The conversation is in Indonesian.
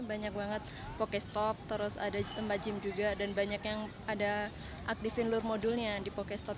banyak yang ada aktifin lur modulnya di pokestop